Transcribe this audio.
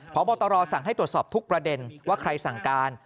พบตรสั่งให้ตรวจสอบทุกประเด็นว่าใครสั่งการ